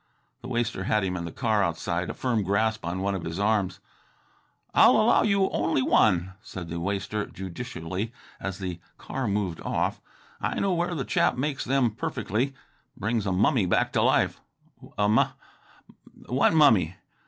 The waster had him in the car outside, a firm grasp on one of his arms. "I'll allow you only one," said the waster judicially as the car moved off. "I know where the chap makes them perfectly brings a mummy back to life " "A mum what mummy?"